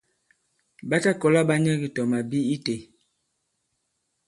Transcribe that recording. Ɓa ta kɔla ɓa nyɛ ki tɔ màbi itē.